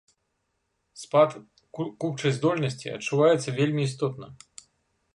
Спад купчай здольнасці адчуваецца вельмі істотна.